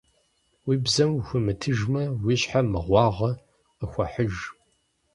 Уи бзэм ухуимытыжмэ, уи щхьэ мыгъуагъэ къыхуэхьыж.